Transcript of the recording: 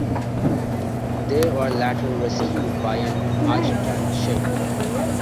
They were later rescued by an Argentine ship.